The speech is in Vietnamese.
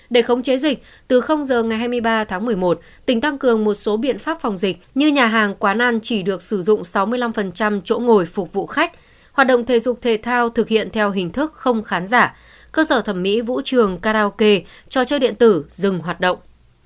để khống chế dịch từ giờ ngày hai mươi ba tháng một mươi một tỉnh tăng cường một số biện pháp phòng dịch như nhà hàng quán ăn chỉ được sử dụng sáu mươi năm chỗ ngồi phục vụ khách hoạt động thể dục thể thao thực hiện theo hình thức không khán giả cơ sở thẩm mỹ vũ trường karaoke trò chơi điện tử dừng hoạt động